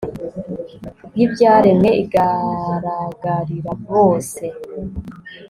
yibyaremwe igaragarira bose